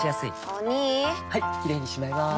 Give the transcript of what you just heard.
お兄はいキレイにしまいます！